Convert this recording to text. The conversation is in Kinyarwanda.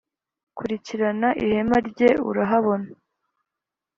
kurikirana ihema rye urahabona